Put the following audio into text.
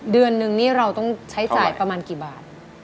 เดือนนึงนี่เราต้องใช้จ่ายประมาณกี่บาท